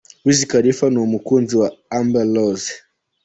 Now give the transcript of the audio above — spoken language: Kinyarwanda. Wiz Khalifa n'umukunzi we Amber Rose.